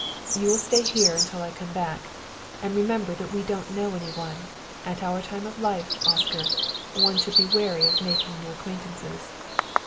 "You will stay here until I come back. And remember that we don't know any one; and at our time of life, Oscar, one should be wary of making new acquaintances."